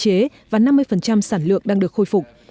điều này hạn chế và năm mươi sản lượng đang được khôi phục